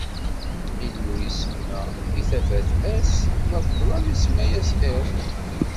Illu isemma i tafat ass, ma d ṭṭlam isemma-as iḍ.